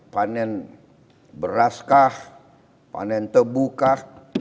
panen beraskah panen tebu kah